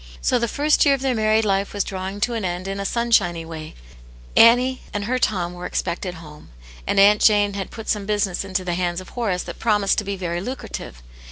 So the first year of their m^itucdi Y\l^ v^^. ^ ^\^\5Vfti^ Aunt y aliens Hero. 145 to an end in a sunshiny way; Annie and her Tom were expected home, and Aunt Jane had put some business into the hands of Horace that promised to be very lucrative.